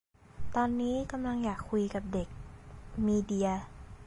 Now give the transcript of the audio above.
ตอนนี้ กำลังอยากคุยกับเด็กมีเดีย